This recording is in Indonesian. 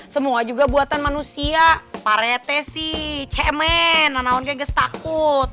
semua juga buatan manusia parete sih cemen nanaon keges takut